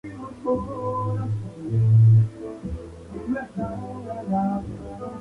Fue hundido en combate durante la batalla naval de la bahía de Hakodate.